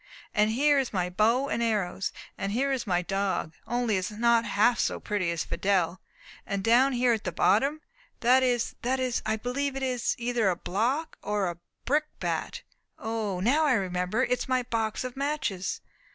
"And here is my bow and arrows." "And here is my dog; only it is not half so pretty as Fidelle." "And down here at the bottom that is that is I believe it is either a block or a brick bat. O, now I remember, it is my box of matches."